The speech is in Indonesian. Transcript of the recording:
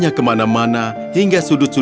dia menemukan teman yang tidak menemukan